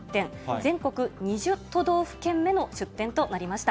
全国２０都道府県目の出店となりました。